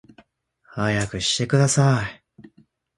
速くしてください